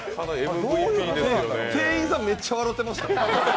店員さんめっちゃ笑ろうてました。